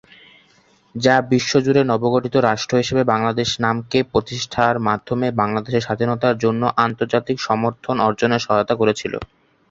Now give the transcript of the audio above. যা বিশ্বজুড়ে নবগঠিত রাষ্ট্র হিসেবে বাংলাদেশ নামকে প্রতিষ্ঠার মাধ্যমে বাংলাদেশের স্বাধীনতার জন্য আন্তর্জাতিক সমর্থন অর্জনে সহায়তা করেছিল।